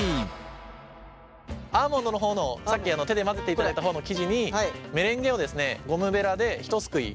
アーモンドの方のさっき手で混ぜていただいた方の生地にゴムベラでひとすくい。